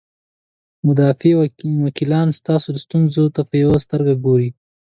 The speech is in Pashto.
مدافع وکیلان ستاسو ستونزو ته په یوې سترګې ګوري.